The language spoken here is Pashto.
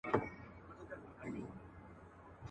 زموږ له شونډو مه غواړه زاهده د خلوت کیسه.